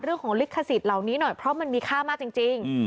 เรื่องของลิขสิทธิ์เหล่านี้หน่อยเพราะมันมีค่ามากจริง